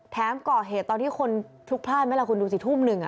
แถมก่อเหตุตอนที่คนถูกพลาดไหมหละคุณดูสิทุ่มนึง